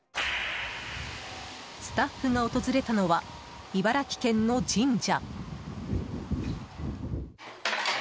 スタッフが訪れたのは茨城県の神社。